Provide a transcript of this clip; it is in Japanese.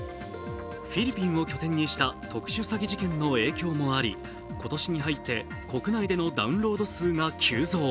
フィリピンを拠点にした特殊詐欺事件の影響もあり今年に入って国内でのダウンロード数が急増。